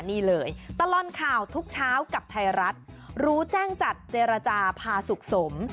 นี่เลยตลอดข่าวทุกเช้ากับไทยรัฐรู้แจ้งจัดเจรจาพาสุขสม